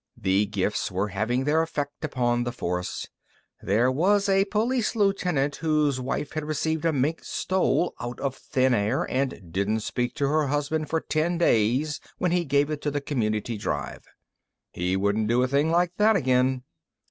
The gifts were having their effect upon the Force. There was a police lieutenant whose wife had received a mink stole out of thin air and didn't speak to her husband for ten days when he gave it to the Community Drive. He wouldn't do a thing like that again!